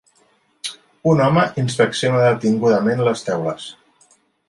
un home inspecciona detingudament les teules